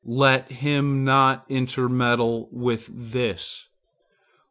Let him not intermeddle with this.